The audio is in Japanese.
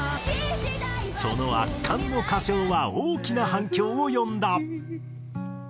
その圧巻の歌唱は大きな反響を呼んだ。